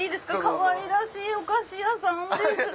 かわいらしいお菓子屋さんです。